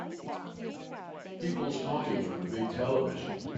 peoples talking with a big television